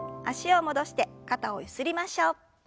脚を戻して肩をゆすりましょう。